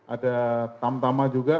ada tamtama juga